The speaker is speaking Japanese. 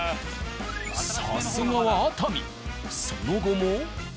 さすがは熱海その後も。